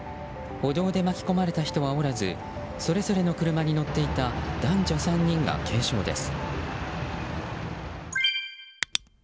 歩道で巻き込まれた人はおらずそれぞれの車に乗っていた男女３人が軽傷です。